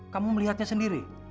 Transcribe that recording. kamu melihatnya sendiri